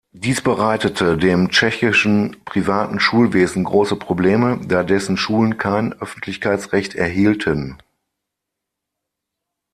Dies bereitete dem tschechischen privaten Schulwesen große Probleme, da dessen Schulen kein Öffentlichkeitsrecht erhielten.